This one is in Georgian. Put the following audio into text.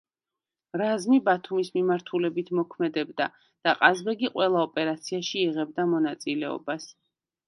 რაზმი ბათუმის მიმართულებით მოქმედებდა და ყაზბეგი ყველა ოპერაციაში იღებდა მონაწილეობას.